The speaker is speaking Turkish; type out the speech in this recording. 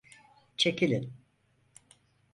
Çekilin.